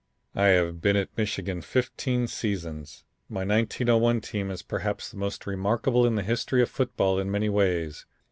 "I have been at Michigan fifteen seasons. My 1901 team is perhaps the most remarkable in the history of football in many ways.